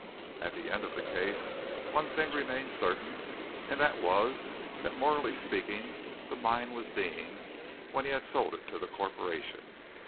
At the end of the case, one thing remained certain, and that was that morally speaking the mine was Deane's when he had sold it to the Corporation.